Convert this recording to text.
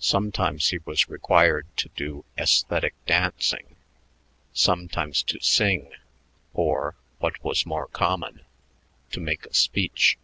Sometimes he was required to do "esthetic dancing," sometimes to sing, or, what was more common, to make a speech.